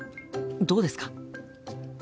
どうですか？